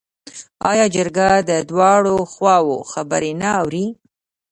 آیا جرګه د دواړو خواوو خبرې نه اوري؟